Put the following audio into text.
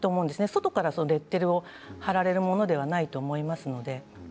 外からレッテルを貼るものではないと思いますので。